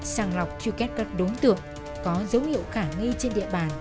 sàng lọc truy kết các đối tượng có dấu hiệu khả nghi trên địa bàn